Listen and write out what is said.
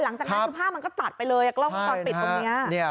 หลังจากนั้นคือภาพมันก็ตัดไปเลยกล้องวงจรปิดตรงนี้